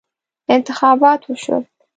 انتخابات وشول.